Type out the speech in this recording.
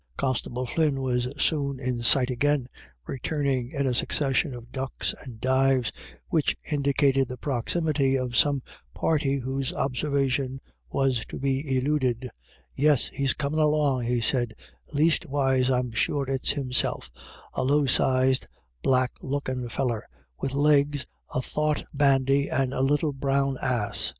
Constable Flynn was soon in sight again, return ing in a succession of ducks and dives which indicated the proximity of some party whose observation was to be eluded. " Yes, he's comin' along," he said, " leastwise I'm sure it's himself — a low sized black lookin' feller, with legs a thought 126 IRISH IDYLLS. bandy, and a little brown ass."